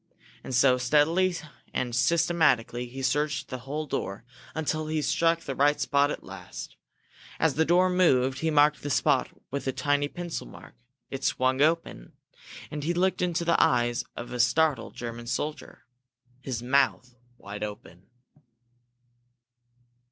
And so, steadily and systematically, he searched the whole door, until he struck the right spot at last. As the door moved, he marked the spot with a tiny pencil mark. It swung open and he looked into the eyes of a startled German soldier, his mouth wide open!